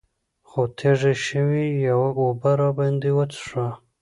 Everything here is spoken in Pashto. خو تږي شوي يو اوبۀ راباندې وڅښوه ـ